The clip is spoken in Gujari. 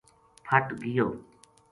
پھٹ گیو